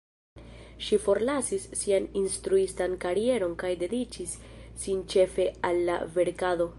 Ŝi forlasis sian instruistan karieron kaj dediĉis sin ĉefe al la verkado.